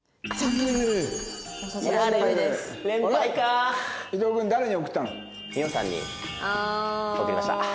ミオさんに送りました。